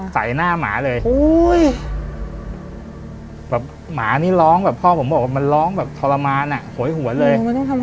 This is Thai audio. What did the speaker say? ใส่หน้าหมาเลยหมาเนี่ยล้องพ่อผมมันล้องทรมานหอยหวกเลย